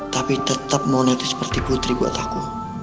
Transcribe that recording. tapi tetap mau nanti seperti putri buat aku